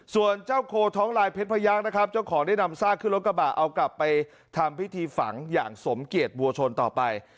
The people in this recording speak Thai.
ส่วนเจ้าโคท้องลายเพชรพยักษ์นะครับเจ้าของได้นำซากขึ้นรถกระบะเอากลับไปทำพิธีฝังอย่างสมเกียจวัวชนต่อไป